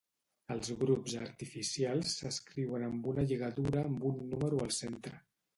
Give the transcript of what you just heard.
Els grups artificials s'escriuen amb una lligadura amb un número al centre.